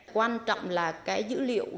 quan trọng là cái dữ liệu gần